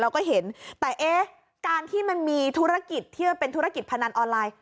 เราก็เห็นแต่เอ๊ะการที่มันมีธุรกิจที่มันเป็นธุรกิจพนันออนไลน์